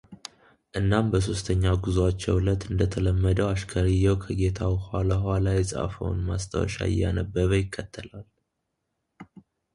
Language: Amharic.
እናም በሶስተኛ ጉዟቸው እለት እንደተለመደው አሽከርየው ከጌታው ኋላ ኋላ የፃፈውን ማስታወሻ እያነበበ ይከተላል፡፡